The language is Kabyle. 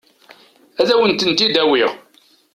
Ad wen-tent-id-awiɣ.